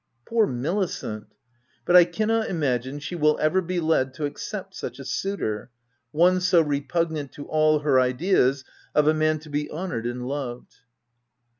Poor Milicent ! But I cannot imagine she will ever be led to accept such a suitor — one so repugnant to all her ideas of a man to be honoured and loved.